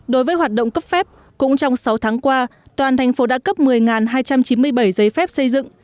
đối với hoạt động cấp phép cũng trong sáu tháng qua toàn thành phố đã cấp một mươi hai trăm chín mươi bảy giấy phép xây dựng